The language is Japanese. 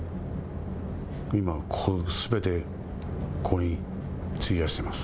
今このすべてここに費やしてます。